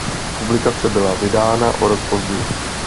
Publikace byla vydána o rok později.